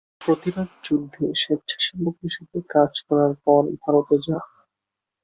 প্রতিরোধযুদ্ধে স্বেচ্ছাসেবক হিসেবে কাজ করার পর ভারতে যান।